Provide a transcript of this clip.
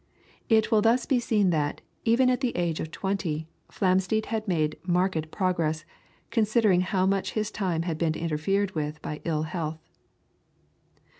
It will thus be seen that, even at the age of twenty, Flamsteed had made marked progress, considering how much his time had been interfered with by ill health.